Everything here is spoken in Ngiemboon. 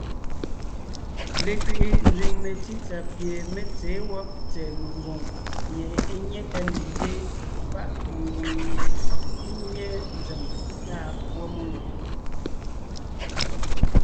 Lekẅiʼi nzẅìŋ metsítsà pie mé tsěen wɔ́b tsɛ̀ɛ megwòŋ mie é nyé tá ne nzyéen páʼ mengwòŋ mie é nye nzèm lâ púɔ mengwòŋ.